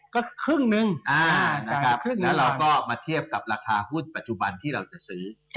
ก็ครึ่งนึงนะครับแล้วเราก็มาเทียบกับราคาหุ้นปัจจุบันที่เราจะซื้อ